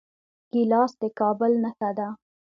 ګیلاس د کابل نښه ده.